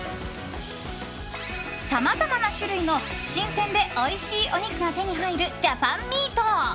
さまざまな種類の新鮮でおいしいお肉が手に入るジャパンミート。